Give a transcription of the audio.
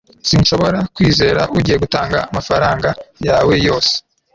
sinshobora kwizera ko ugiye gutanga amafaranga yawe yose